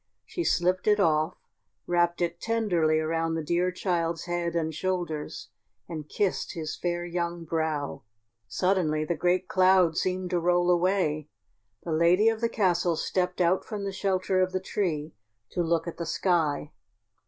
She slipped it off, wrapped it tenderly around the dear child's head and shoulders, and kissed his fair young brow. Suddenly the great clouds seemed to roll away. The lady of the castle stepped out from the shelter of the tree to look at the sky.